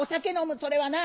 それはなぁ。